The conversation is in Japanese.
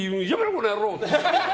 この野郎！って。